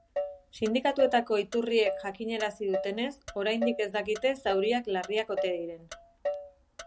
Sindikatuetako iturriek jakinarazi dutenez, oraindik ez dakite zauriak larriak ote diren.